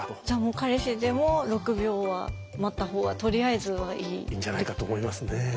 じゃあ彼氏でも６秒は待った方がとりあえずはいい？いいんじゃないかと思いますね。